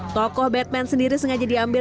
tokoh batman sendiri sengaja diambil